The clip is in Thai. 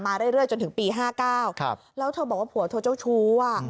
มาเรื่อยเรื่อยจนถึงปีห้าเก้าครับแล้วเธอบอกว่าผัวเธอเจ้าชู้อ่ะ